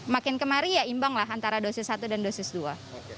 makin kemari ya imbang lah antara dosis satu dan dosis dua